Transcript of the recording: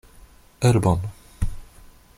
Urbon.